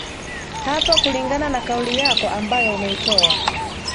hapa kulingana na kauli yako ambayo umeitoa